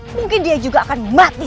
mungkin dia juga akan mati